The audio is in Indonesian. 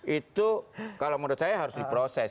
itu kalau menurut saya harus diproses